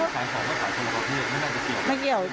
ขายของก็ขายของเราก็พี่ไม่ได้เกี่ยวกับ